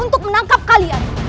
untuk menangkap kalian